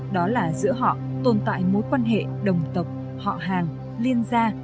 đó là giữa họ tồn tại mối quan hệ đồng tộc họ hàng liên gia